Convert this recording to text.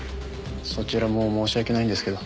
そちらも申し訳ないんですけど。